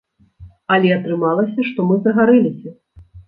Але атрымалася, што мы загарэліся.